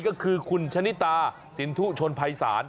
ก็คือคุณชะนิตาสินทุชนภัยศาล